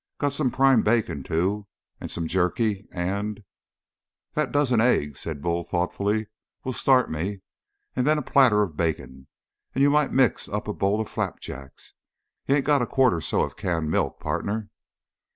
Got some prime bacon, too, and some jerky and " "That dozen eggs," said Bull thoughtfully, "will start me, and then a platter of bacon, and you might mix up a bowl of flapjacks. You ain't got a quart or so of canned milk, partner?"